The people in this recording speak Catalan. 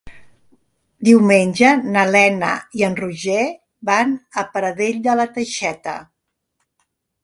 Diumenge na Lena i en Roger van a Pradell de la Teixeta.